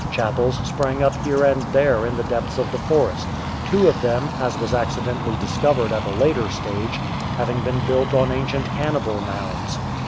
Chapels sprang up here and there in the depths of the forest — two of them, as was accidentally discovered at a later stage, having been built on ancient cannibal mounds.